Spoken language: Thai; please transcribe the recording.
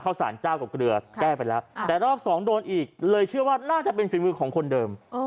สารเจ้ากับเกลือแก้ไปแล้วแต่รอบสองโดนอีกเลยเชื่อว่าน่าจะเป็นฝีมือของคนเดิม